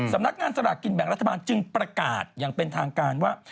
สำนักงานสลากกินแบ่งรัฐบาลจึงประกาศอย่างเป็นทางการว่า